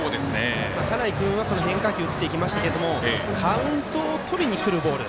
田内君は、変化球を打っていきましたけどカウントをとりにくるボール。